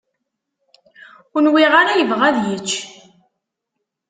Ur nwiɣ ara yebɣa ad yečč.